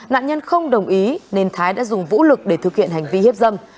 nạn nhân không đồng ý nên thái đã dùng vũ lực để thực hiện hành vi hiếp dâm